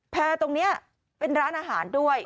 แพร่ตรงนี้เป็นร้านอาหารด้วย